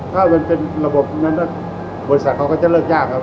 ถ้ามันเป็นระบบนั้นบริษัทเขาก็จะเลิกยากครับ